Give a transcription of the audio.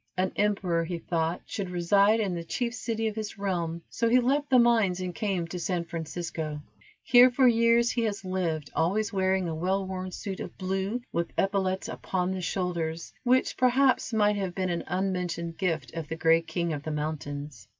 An emperor, he thought, should reside in the chief city of his realm, so he left the mines and came to San Francisco. Here for years he has lived, always wearing a well worn suit of blue, with epaulettes upon the shoulders, which, perhaps, might have been an unmentioned gift of the gray king of the mountains.